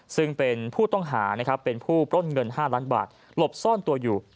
ซึ่งเป็นผู้ต้องหานะครับเป็นผู้ปล้นเงิน๕ล้านบาทหลบซ่อนตัวอยู่